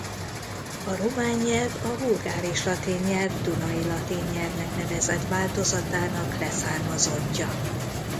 A román nyelv a vulgáris latin nyelv dunai latin nyelvnek nevezett változatának leszármazottja.